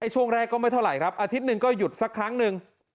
ช่วงแรกก็ไม่เท่าไหร่ครับอาทิตย์หนึ่งก็หยุดสักครั้งหนึ่ง